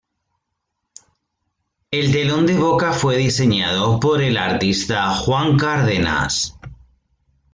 El telón de boca fue diseñado por el artista Juan Cárdenas.